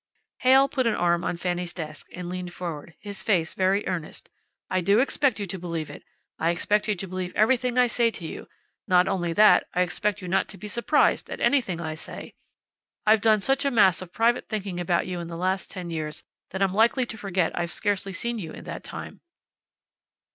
Heyl put an arm on Fanny's desk and learned forward, his face very earnest. "I do expect you to believe it. I expect you to believe everything I say to you. Not only that, I expect you not to be surprised at anything I say. I've done such a mass of private thinking about you in the last ten years that I'm likely to forget I've scarcely seen you in that time.